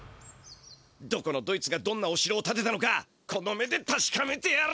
どこのどいつがどんなお城をたてたのかこの目でたしかめてやる！